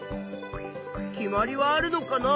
決まりはあるのかな？